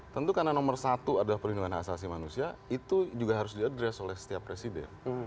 tentu karena nomor satu adalah perlindungan hak asasi manusia itu juga harus diadres oleh setiap presiden